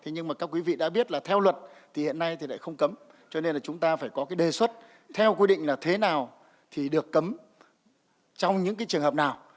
nhưng các quý vị đã biết là theo luật hiện nay không cấm cho nên chúng ta phải có đề xuất theo quy định thế nào được cấm trong những trường hợp nào